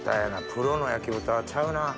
プロの焼豚はちゃうな。